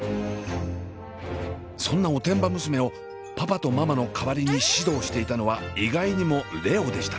そんなおてんば娘をパパとママの代わりに指導していたのは意外にも蓮音でした。